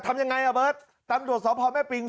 ทำยังไงอ่ะเบอร์ดตำรวจสหพามา้เปียง